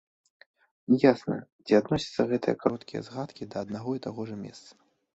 Не ясна, ці адносяцца гэтыя кароткія згадкі да аднаго і таго ж месца.